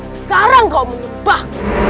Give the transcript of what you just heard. sekarang kau menyembah